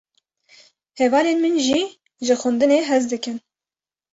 Hevalên min jî ji xwendinê hez dikin.